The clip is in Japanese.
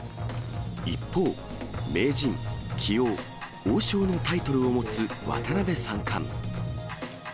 一方、名人、棋王、王将のタイトルを持つ渡辺三冠。